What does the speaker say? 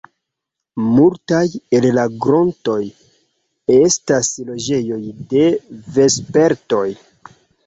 Multaj el la grotoj estas loĝejoj de vespertoj.